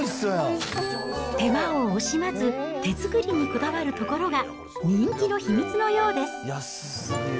手間を惜しまず、手作りにこだわるところが人気の秘密のようです。